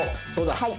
はい。